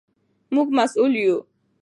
موږ مسوول یو.